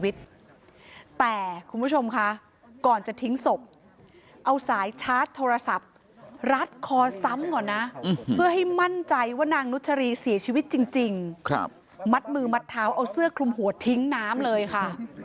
โทรศัพท์รัดคอซ้ำก่อนนะเพื่อให้มั่นใจว่านางนุชรีเสียชีวิตจริงครับมัดมือมัดเท้าเอาเสื้อคลุมหัวทิ้งน้ำเลยค่ะ